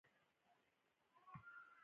خدای دې ستا سره وي .